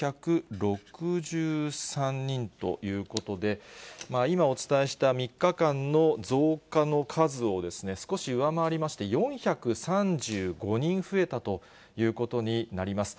１９６３人ということで、今、お伝えした３日間の増加の数を少し上回りまして、４３５人増えたということになります。